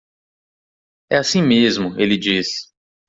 É assim mesmo, ele disse.